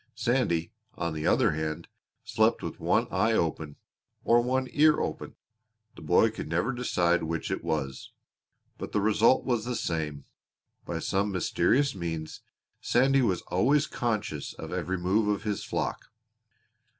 Sandy, on the other hand, slept with one eye open or one ear open the boy could never quite decide which it was. But the result was the same; by some mysterious means Sandy was always conscious of every move of his flock.